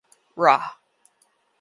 Ra.